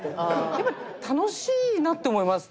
やっぱり楽しいなって思います